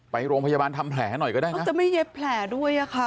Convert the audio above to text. ไปโรงพยาบาลทำแผลหน่อยก็ได้นะเขาจะไม่เย็บแผลด้วยอ่ะค่ะ